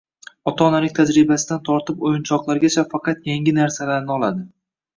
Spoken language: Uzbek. ota-onalik tajribasidan tortib o‘yinchoqlargacha faqat yangi narsalarni oladi.